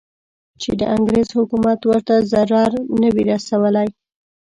چې د انګریز حکومت ورته ضرر نه وي رسولی.